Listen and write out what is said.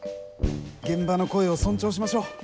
現場の声を尊重しましょう。